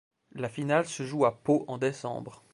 La finale se joue à Pau en décembre.